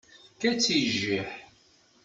Tefka-tt i jjiḥ.